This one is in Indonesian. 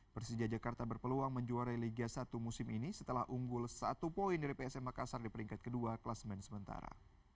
persija jakarta berpeluang menjuarai liga satu musim ini setelah unggul satu poin dari psm makassar di peringkat kedua kelas main sementara